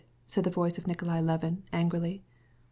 said the voice of Nikolay Levin, angrily.